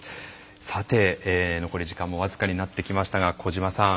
さて残り時間も僅かになってきましたが小島さん